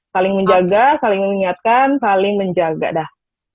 saling menjaga saling mengingatkan saling menjaga dah